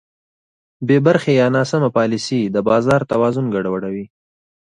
بېبرخې یا ناسمه پالیسي د بازار توازن ګډوډوي.